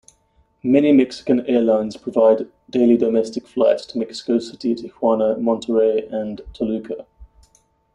Many Mexican airlines provide daily domestic flights to Mexico City, Tijuana, Monterrey and Toluca.